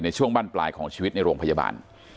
ช่วงบ้านปลายของชีวิตในโรงพยาบาล